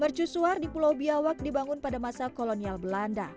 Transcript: mercusuar di pulau biawak dibangun pada masa kolonial belanda